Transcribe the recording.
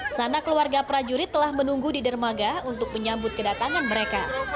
sana keluarga prajurit telah menunggu di dermaga untuk menyambut kedatangan mereka